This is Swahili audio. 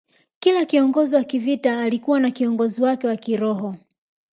Kila kiongozi wa kivita alikuwa na kiongozi wake wa kiroho